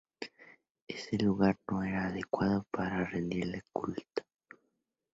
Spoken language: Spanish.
Ese lugar no era el adecuado para rendirle culto.